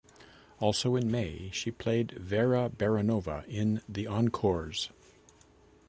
Also in May, she played Vera Baronova in the Encores!